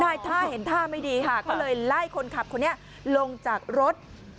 ท่าเห็นท่าไม่ดีค่ะก็เลยไล่คนขับคนนี้ลงจากรถ